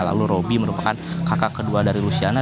lalu roby merupakan kakak kedua dari lusiana